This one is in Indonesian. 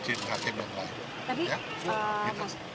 tapi maksudnya dari tadi statement bapak tidak ada niatan untuk